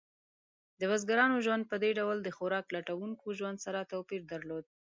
د بزګرانو ژوند په دې ډول د خوراک لټونکو ژوند سره توپیر درلود.